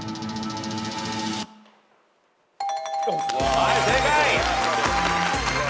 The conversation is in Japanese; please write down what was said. はい正解。